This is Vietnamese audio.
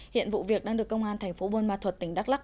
hiện vụ việc đang được công an thành phố buôn ma thuật tỉnh đắk lắc